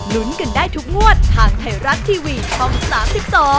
ลุ้นกันได้ทุกงวดทางไทยรัฐทีวีช่อง๓๒